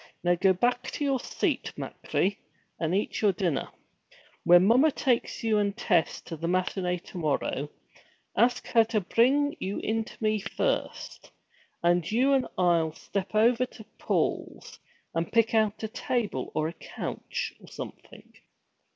'Now go back to your seat, machree, and eat your dinner. When mommer takes you and Tess to the matinée to morrow, ask her to bring you in to me first, and you and I'll step over to Paul's, and pick out a table or a couch, or something.